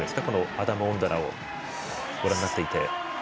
アダム・オンドラをご覧になって。